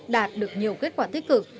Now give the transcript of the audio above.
đạt được nhiều kết quả tích cực